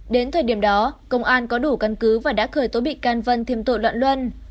đến thời điểm đó công an có đủ căn cứ và đã khởi tố bị can vân thêm tội loạn luân